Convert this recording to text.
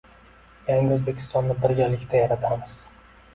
Yangi O‘zbekistonni birgalikda yaratamiz